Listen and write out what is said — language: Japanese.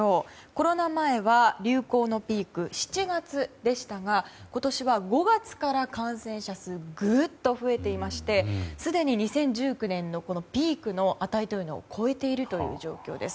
コロナ前は流行のピークは７月でしたが今年は５月から感染者数ぐっと増えていましてすでに２０１９年のピークの値を超えているという状況です。